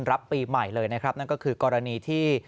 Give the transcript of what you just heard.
รับปีใหม่เลยนะครับนั่นก็คือกรณีที่